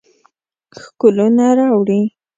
ښکلونه راوړي